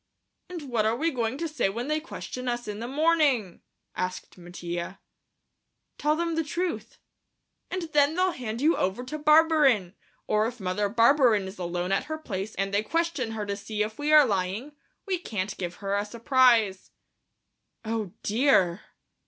"And what are we going to say when they question us in the morning?" asked Mattia. "Tell them the truth." "And then they'll hand you over to Barberin, or if Mother Barberin is alone at her place and they question her to see if we are lying, we can't give her a surprise." "Oh, dear!"